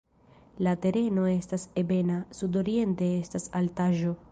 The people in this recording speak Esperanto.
La tereno estas ebena, sudoriente estas altaĵo.